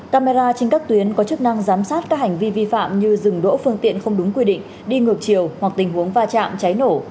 giám sát các hành vi vi phạm như rừng đỗ phương tiện không đúng quy định đi ngược chiều hoặc tình huống va chạm cháy nổ